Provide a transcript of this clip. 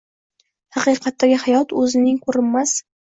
“haqiqatdagi hayot” o‘zining ko‘rinmas